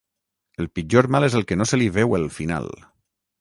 El pitjor mal és el que no se li veu el final.